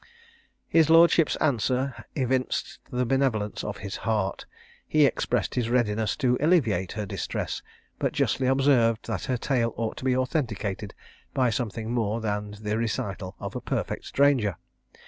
His lordship's answer evinced the benevolence of his heart. He expressed his readiness to alleviate her distress, but justly observed that her tale ought to be authenticated by something more than the recital of a perfect stranger.